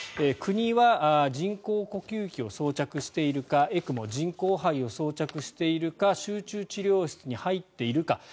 国は人工呼吸器を装着しているかＥＣＭＯ・人工肺を装着しているか集中治療室に入っているか。